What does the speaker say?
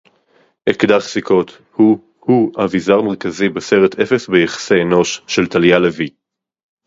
אקדח סיכות הוא הוא אביזר מרכזי בסרט אפס ביחסי אנוש של טליה לוי